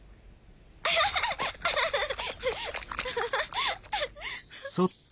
アハハハハハハ。